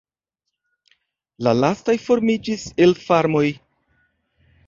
La lastaj formiĝis el farmoj.